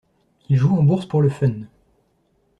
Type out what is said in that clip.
Il joue en bourse pour le fun.